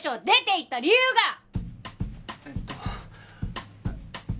出ていった理由が！